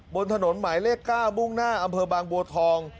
บนถนนหมายเลข๙มุ่งหน้าอำเภอบางบัวทอง